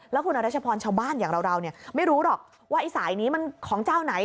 แล้วคุณอรัชพรชาวบ้านอย่างเราไม่รู้หรอกว่าไอ้สายนี้มันของเจ้าไหน